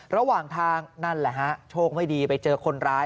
ระหว่างทางนั่นแหละฮะโชคไม่ดีไปเจอคนร้าย